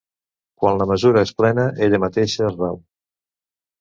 Quan la mesura és plena, ella mateixa es rau.